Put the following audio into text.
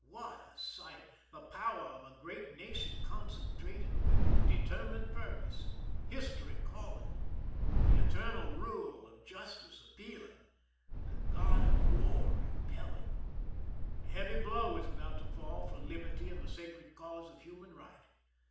What a sight!— the power of a great nation con centrating with determined purpose ; history call ing; the eternal rule of justice appealing; the Grod of war impelling. A heavy blow was about to fall for liberty and the sacred cause of human right.